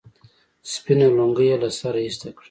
سپينه لونگۍ يې له سره ايسته کړه.